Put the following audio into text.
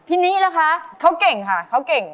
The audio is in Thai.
ทีนี้ล่ะคะเขาเก่งค่ะเขาเก่ง